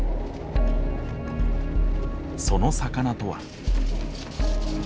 その魚とは。